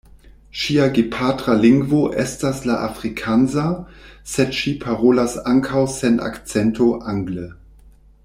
Ŝia gepatra lingvo estas la afrikansa, sed ŝi parolas ankaŭ sen akcento angle.